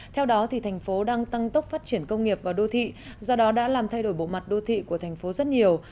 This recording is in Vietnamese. theo đó thành phố đang tăng tốc phát triển công nghiệp vào đô thị do đó đã làm thay đổi bộ mặt đô thị của thành phố rất nhiều